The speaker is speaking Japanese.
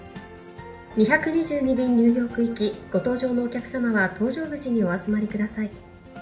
２２２便ニューヨーク行き、ご搭乗のお客様は搭乗口にお集まりください。